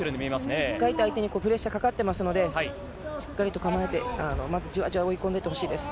しっかり相手にプレッシャーかかってますので、しっかりと構えて、まずじわじわ追い込んでいってほしいです。